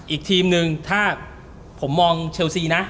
อีกทีมนึงถ้าผมมองเชลซีนะ